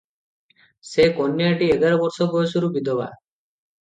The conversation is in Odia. ସେ କନ୍ୟାଟି ଏଗାର ବର୍ଷ ବୟସରୁ ବିଧବା ।